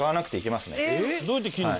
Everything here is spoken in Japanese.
「どうやって切るの？」